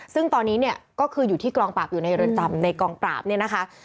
ซึ่งตอนนี้เนี่ยก็คืออยู่ที่กองปราบอยู่ในเรือนจำในกองปราบเนี่ยนะคะ